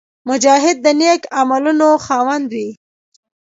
مجاهد د نېک عملونو خاوند وي.